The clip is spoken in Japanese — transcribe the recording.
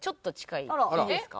いいですか？